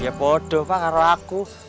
ya bodoh pak karena aku